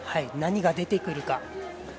何が出てくるか。